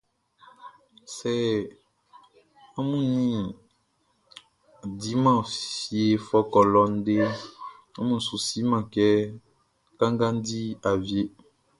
Sɛ amun nin a diman fie fɔkɔ lɔ deʼn, amun su siman kɛ kanga di awieʼn.